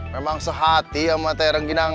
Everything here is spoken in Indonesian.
memang sehati sama teh rengginang